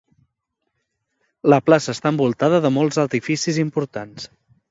La plaça està envoltada de molts edificis importants.